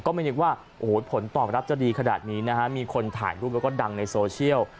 ไม่นึกว่าโอ้โหผลตอบรับจะดีขนาดนี้นะฮะมีคนถ่ายรูปแล้วก็ดังในโซเชียล